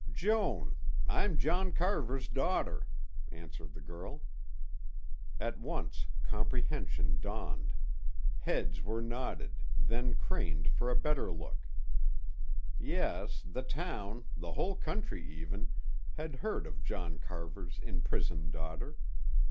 "Joan. I'm John Carver's daughter," answered the girl. At once comprehension dawned; heads were nodded, then craned for a better look. Yes, the town, the whole country even, had heard of John Carver's imprisoned daughter.